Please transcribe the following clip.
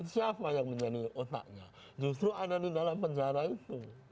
siapa yang menjadi otaknya justru ada di dalam penjara itu